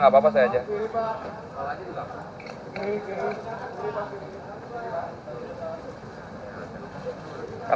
profesi tersebut sama